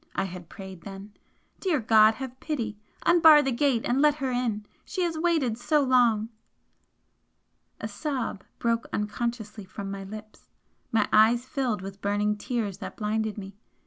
I had prayed then "Dear God, have pity! Unbar the gate and let her in! She has waited so long!" A sob broke unconsciously from my lips my eyes filled with burning tears that blinded me.